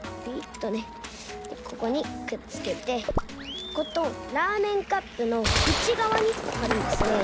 ここにくっつけてこことラーメンカップのうちがわにはるんですね。